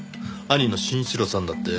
兄の真一郎さんだって。